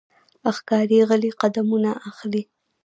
ښکاري غلی قدمونه اخلي.